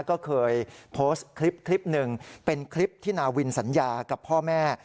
ก็เคยโพสต์คลิปคลิปหนึ่งเป็นคลิปที่นาวินสัญญากับพ่อแม่